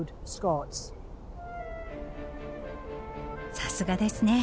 さすがですね。